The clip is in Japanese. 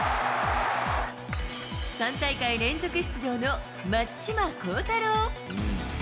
３大会連続出場の松島幸太朗。